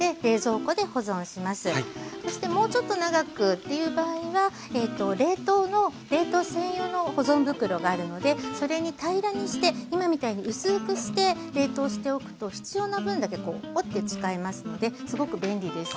そしてもうちょっと長くっていう場合は冷凍専用の保存袋があるのでそれに平らにして今みたいに薄くして冷凍しておくと必要な分だけ折って使えますのですごく便利です。